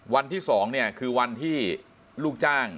วันที่๒เนี่ยคือวันที่ลูกจ้าง